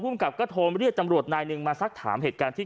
กับก็โทรเรียกจำรวจนายหนึ่งมาสักถามเหตุการณ์ที่